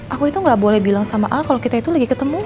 aku itu ga boleh bilang sama al kalo kita itu lagi ketemu kan